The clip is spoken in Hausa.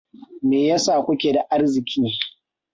Me yasa kuke da arziki?